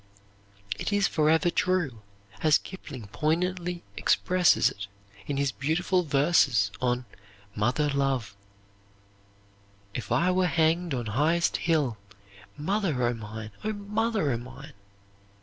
It is forever true, as Kipling poignantly expresses it in his beautiful verses on "Mother Love": "'If I were hanged on highest hill, Mother o' mine, O mother o' mine!